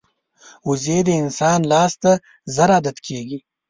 وزې د انسان لاس ته ژر عادت کېږي